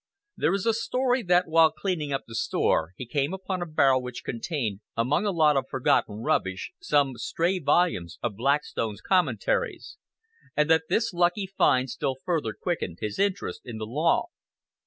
There is a story that while cleaning up the store, he came upon a barrel which contained, among a lot of forgotten rubbish, some stray volumes of Blackstone's "Commentaries," and that this lucky find still further quickened his interest in the law.